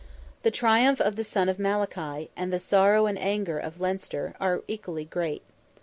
The triumph of the son of Malachy, and the sorrow and anger of Leinster, were equally great.